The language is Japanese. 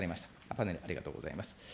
パネルありがとうございます。